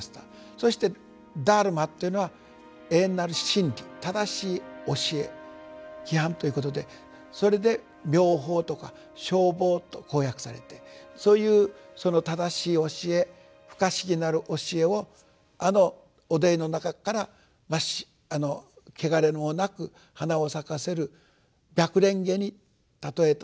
そして「ダルマ」というのは永遠なる真理正しい教え規範ということでそれで「妙法」とか「正法」とこう訳されてそういう正しい教え不可思議なる教えをあの汚泥の中から穢れもなく花を咲かせる白蓮華に例えた。